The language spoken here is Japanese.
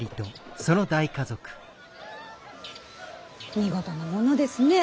見事なものですね。